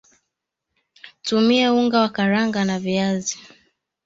tumia unga wa karanga na viazi